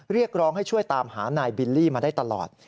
เรียกร้องให้ช่วยตามหานายบิลลี่มาได้ตลอด